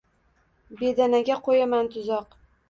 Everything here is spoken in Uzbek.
Bedanaga qo’yaman tuzoq –